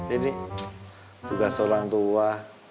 ini tugas orang tua